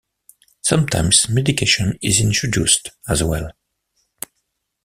Sometimes medication is introduced as well.